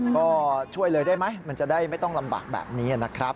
ก็ช่วยเลยได้ไหมมันจะได้ไม่ต้องลำบากแบบนี้นะครับ